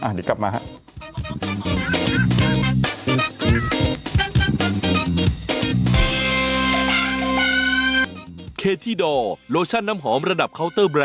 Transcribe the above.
หรออ่ะเดี๋ยวกลับมาครับ